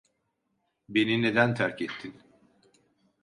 Beni neden terk ettin?